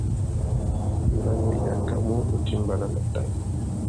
Mbanu i akamú utimbāna nà tang.